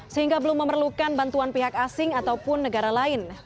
sehingga belum memerlukan bantuan pihak asing ataupun negara lain